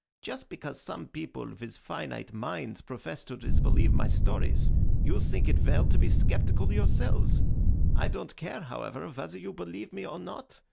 Just because some people with finite minds profess to disbelieve my stories, you think it well to be sceptical yourselves. I don't care, however, whether you believe me or not.